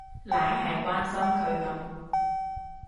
懶係關心佢噉